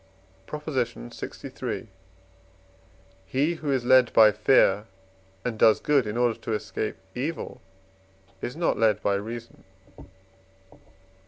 PROP. LXIII. He who is led by fear, and does good in order to escape evil, is not led by reason.